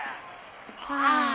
ああ。